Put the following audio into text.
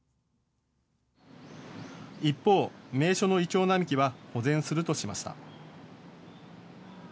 一方、名所のイチョウ並木は保全するとしました。